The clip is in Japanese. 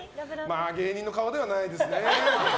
芸人の顔ではないですね。